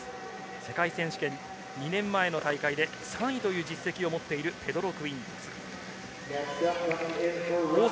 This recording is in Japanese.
世界選手権、２年前の大会で３位という実績を持っているペドロ・クゥインタス。